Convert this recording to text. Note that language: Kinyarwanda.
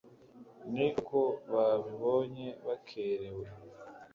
Ni ukuvuga ko babibonye bakerewe